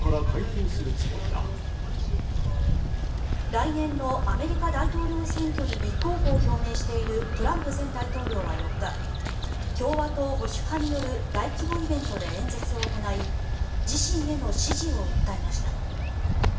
来年のアメリカ大統領選挙に立候補を表明しているトランプ前大統領は４日共和党保守派による大規模イベントで演説を行い自身への支持を訴えました。